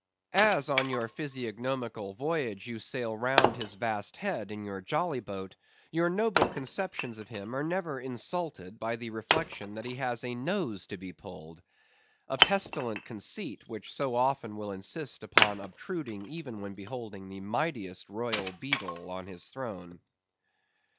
As on your physiognomical voyage you sail round his vast head in your jolly boat, your noble conceptions of him are never insulted by the reflection that he has a nose to be pulled. A pestilent conceit, which so often will insist upon obtruding even when beholding the mightiest royal beadle on his throne.